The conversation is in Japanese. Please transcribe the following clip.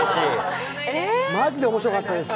マジで面白かったです。